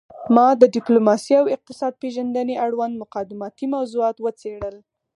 ما د ډیپلوماسي او اقتصاد پیژندنې اړوند مقدماتي موضوعات وڅیړل